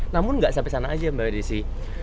namun nggak sampai sana aja mbak desi